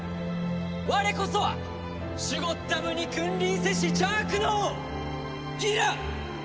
我こそはシュゴッダムに君臨せし邪悪の王ギラ！